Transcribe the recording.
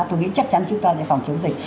tôi nghĩ chắc chắn chúng ta sẽ phòng chống dịch